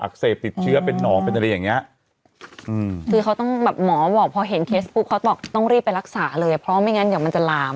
คือเค้าต้องแบบหมอบอกพอเห็นเคสปุ๊บเค้าต้องรีบไปรักษาเลยเพราะไม่งั้นเดี๋ยวมันจะลาม